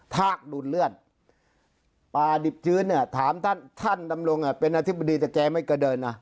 ทากดูดเลือดปลาดิบชื้นเนี่ยถามท่านท่านดำรงเป็นอธิบดีแต่แกไม่กระเดินนะ